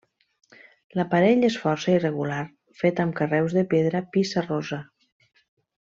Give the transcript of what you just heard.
L'aparell és força irregular, fet amb carreus de pedra pissarrosa.